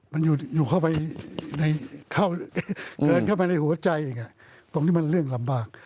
มันเกิดเข้าไปในหัวใจตรงนี้มันเรื่องลำบาก